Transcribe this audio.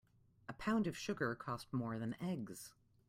A pound of sugar costs more than eggs.